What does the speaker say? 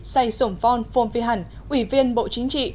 say sổng von phong phi hẳn ủy viên bộ chính trị